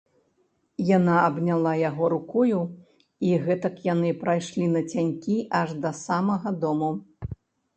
Яна абняла яго рукою, і гэтак яны прайшлі нацянькі аж да самага дому.